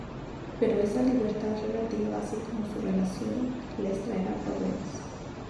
Pero esa libertad relativa, así como su relación, les traerá problemas.